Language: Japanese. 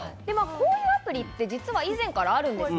こういうアプリ、以前からあるんです。